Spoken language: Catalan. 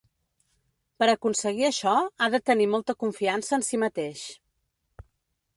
Per aconseguir això, ha de tenir molta confiança en si mateix.